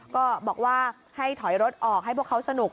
ก็บอกว่าให้ถอยรถออกให้พวกเขาสนุก